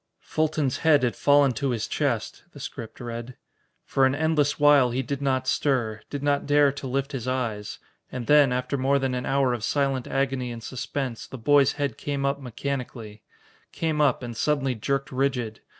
"Fulton's head had fallen to his chest," the script read. "For an endless while he did not stir, did not dare to lift his eyes. And then, after more than an hour of silent agony and suspense, the boy's head came up mechanically. Came up and suddenly jerked rigid.